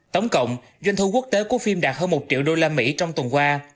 tổng cộng doanh thu quốc tế của phim đạt hơn một triệu usd trong tuần qua